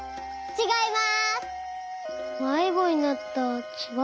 ちがいます。